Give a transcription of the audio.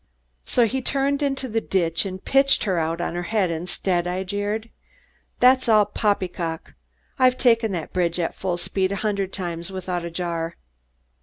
"So he turned into the ditch and pitched her out on her head instead," I jeered. "That's all poppy cock. I've taken that bridge at full speed a hundred times without a jar."